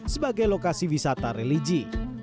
sebagai lokasi wisata religi